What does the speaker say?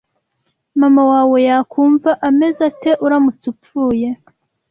MAMA wawe yakumva ameze ate uramutse upfuye